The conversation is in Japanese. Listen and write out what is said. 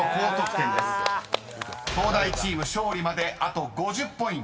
［東大チーム勝利まであと５０ポイント］